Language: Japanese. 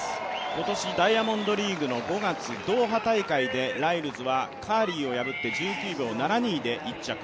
今年ダイヤモンドリーグの５月ドーハ大会でライルズはカーリーを破って１９秒７２で１着。